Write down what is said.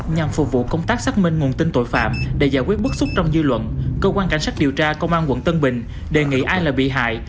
nhằm phục vụ công tác xác minh nguồn tin tội phạm để giải quyết bức xúc trong dư luận cơ quan cảnh sát điều tra công an quận tân bình đề nghị ai là bị hại